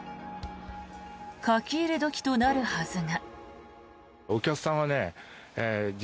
書き入れ時となるはずが。